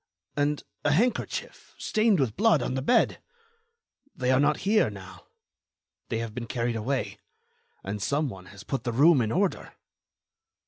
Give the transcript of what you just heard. And a handkerchief, stained with blood, on the bed. They are not here now. They have been carried away. And some one has put the room in order."